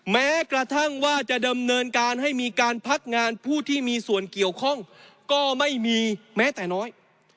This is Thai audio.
แม้กระทั่งว่าจะดำเนินการให้มีการพักงานผู้ที่มีส่วนเกี่ยวข้องก็ไม่มีแม้แต่น้อย